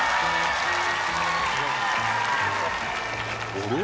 あれ？